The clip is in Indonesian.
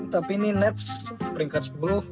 tapi ini nets peringkat sepuluh